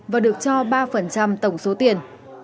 và được cho ba tổng số tiền